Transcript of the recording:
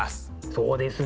そうですね。